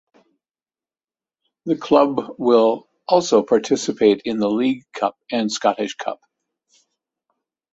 The club will also participate in the League Cup and Scottish Cup.